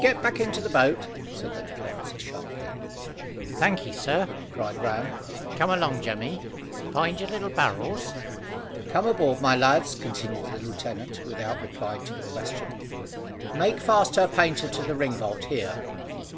"Get back into your boat," said the little officer sharply. "Thank ye, sir," cried Ram. "Come along, Jemmy. Find your little barrels?" "Come aboard, my lads," continued the lieutenant, without replying to the question. "Make fast her painter to the ring bolt here."